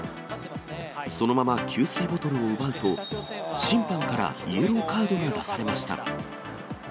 そのまま給水ボトルを奪うと、審判からイエローカードを出されました。